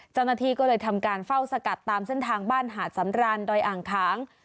เจ้าหน้าที่ก็เลยทำการเฝ้าสกัดตามเส้นทางบ้านหาดสำรานดอยอ่างค้าง